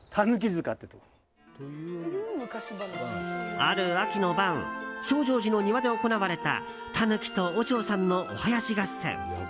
ある秋の晩證誠寺の庭で行われたタヌキと和尚さんのお囃子合戦。